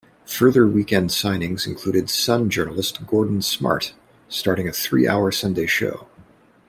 Further weekend signings included "Sun" journalist Gordon Smart starting a three-hour Sunday show.